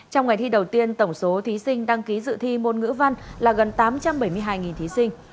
trong ngày thi đầu tiên tổng số thí sinh đăng ký dự thi môn ngữ văn là gần tám trăm bảy mươi hai thí sinh